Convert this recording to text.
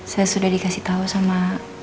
saya sudah dikasih tahu sama